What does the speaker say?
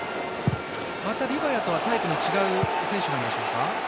リバヤとはタイプの違う選手なんでしょうか？